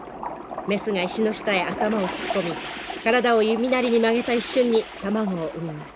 メスが石の下へ頭を突っ込み体を弓なりに曲げた一瞬に卵を産みます。